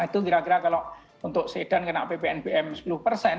itu kira kira kalau untuk sedan kena ppnbm sepuluh persen